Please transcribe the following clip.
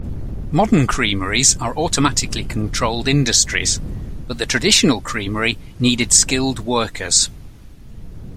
Modern creameries are automatically controlled industries, but the traditional creamery needed skilled workers.